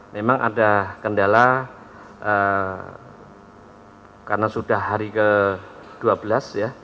memang ada kendala karena sudah hari ke dua belas ya